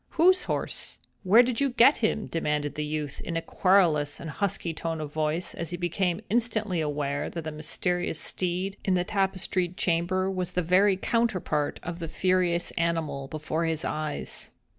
"Whose horse? Where did you get him?" demanded the youth, in a querulous and husky tone of voice, as he became instantly aware that the mysterious steed in the tapestried chamber was the very counterpart of the furious animal before his eyes.